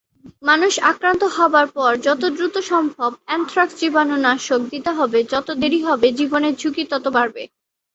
মানুষ আক্রান্ত হবার পর যত দ্রুত সম্ভব অ্যানথ্রাক্স জীবাণুনাশক দিতে হবে, যত দেরি হবে জীবনের ঝুঁকি তত বাড়বে।